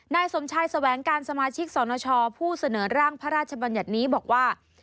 นายสมชายแสวงการสมาชิกสนชผู้เสนอร่างพระราชบัญญัตินี้บอกว่า